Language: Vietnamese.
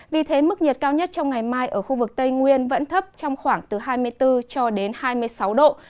vì thế mức nhiệt cao nhất trong ngày mai ở khu vực tây nguyên vẫn thấp trong khoảng từ hai mươi bốn cho đến hai mươi sáu độ